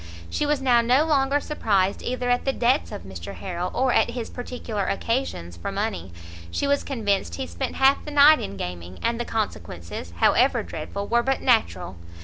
She was now no longer surprised either at the debts of Mr Harrel, or at his particular occasions for money. She was convinced he spent half the night in gaming, and the consequences, however dreadful, were but natural.